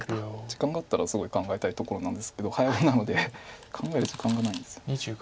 時間があったらすごい考えたいところなんですけど早碁なので考える時間がないんです。